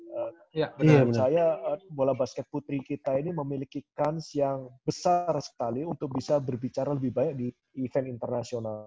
menurut saya bola basket putri kita ini memiliki kans yang besar sekali untuk bisa berbicara lebih banyak di event internasional